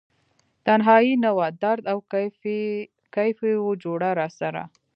تنهایې نه وه درد او کیف یې و جوړه راسره